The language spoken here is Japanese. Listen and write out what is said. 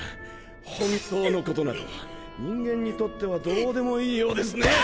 本当の事など人間にとってはどうでもいいようですね！